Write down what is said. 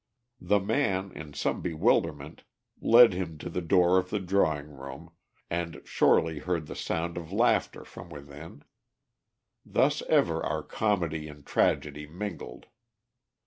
The man, in some bewilderment, led him to the door of the drawing room, and Shorely heard the sound of laughter from within. Thus ever are comedy and tragedy mingled.